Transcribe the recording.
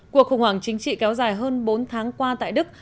cuộc khủng hoảng chính trị kéo dài hơn bốn tháng qua tại đức